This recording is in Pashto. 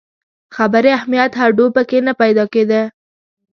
خبري اهمیت هډو په کې نه پیدا کېده.